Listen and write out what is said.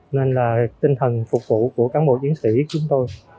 nên là tinh thần phục vụ của cán bộ chiến sĩ chúng tôi